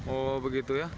oh begitu ya